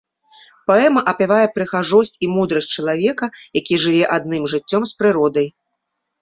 Паэма апявае прыгажосць і мудрасць чалавека, які жыве адным жыццём з прыродай.